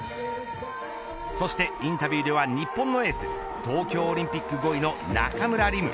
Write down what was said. そしてインタビューでは日本のエース東京オリンピック５位の中村輪夢。